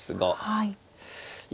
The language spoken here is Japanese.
はい。